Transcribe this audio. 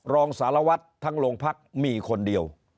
รองสารวัตรทั้งโรงพักมีคนเดียว